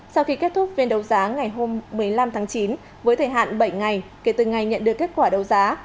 sau khi kết thúc phiên đấu giá ngày hôm một mươi năm tháng chín với thời hạn bảy ngày kể từ ngày nhận được kết quả đấu giá